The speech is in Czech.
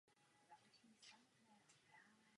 Takže, pane zpravodaji, ještě jednou vám děkuji.